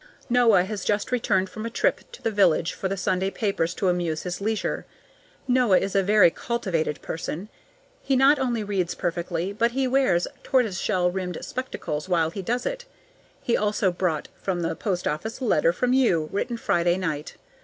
Noah has just returned from a trip to the village for the Sunday papers to amuse his leisure. Noah is a very cultivated person; he not only reads perfectly, but he wears tortoise shell rimmed spectacles while he does it. He also brought from the post office a letter from you, written Friday night.